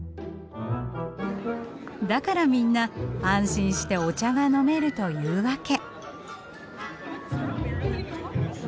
だからみんな安心してお茶が飲めるというわけ。